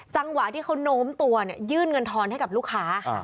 จังหวะที่เขาโน้มตัวเนี่ยยื่นเงินทอนให้กับลูกค้า